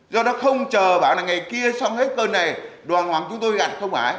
do đó không chờ bảo là ngày kia xong hết cơn này đoàn hoàng chúng tôi gặt không hải